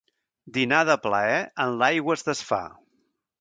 Dinar de plaer en l'aigua es desfà.